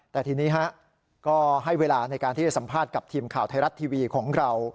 แต่ทีนี้ก็ให้เวลาในการที่จะสัมภาษณ์กับทีมข่าวไทยรัฐทีวีของเรา